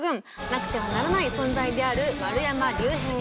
なくてはならない存在である丸山隆平さん。